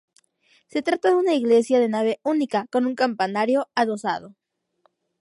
Se trata de una iglesia de nave única con un campanario adosado.